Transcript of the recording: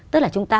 tức là chúng ta